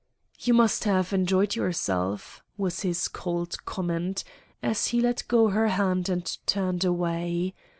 "'You must have enjoyed yourself,' was his cold comment, as he let go her hand and turned away.